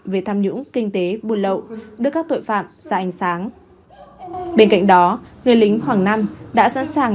về tham nhũng kinh tế buôn lậu đưa các tội phạm ra ánh sáng bên cạnh đó người lính hoàng nam đã sẵn sàng